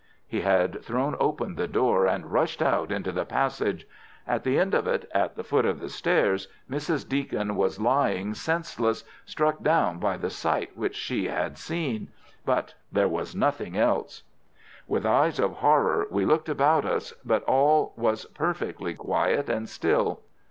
He had thrown open the door and rushed out into the passage. At the end of it, at the foot of the stairs, Mrs. Deacon was lying senseless, struck down by the sight which she had seen. But there was nothing else. With eyes of horror we looked about us, but all was perfectly quiet and still.